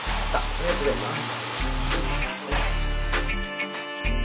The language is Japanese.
ありがとうございます。